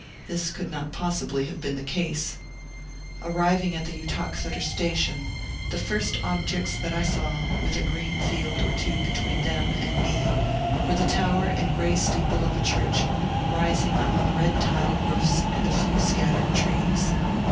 This could not possibly have been the case. Arriving at the Uttoxeter station, the first objects that I saw, with a green field or two between them and me, were the tower and gray steeple of a church, rising among red tiled roofs and a few scattered trees.